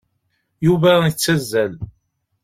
Yuba yettazzal.